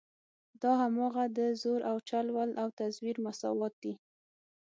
دا هماغه د زور او چل ول او تزویر مساوات دي.